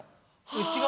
内側。